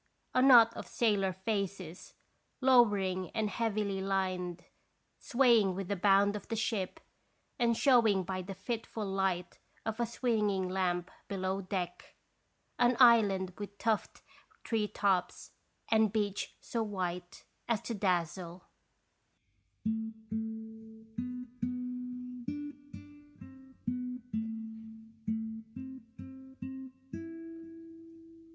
A knot of sailor faces, lowering and heavily lined, swaying with the bound of the ship and showing by fitful light of a swinging lamp below deck. An island with tufted tree tops, and beach so white as to dazzle.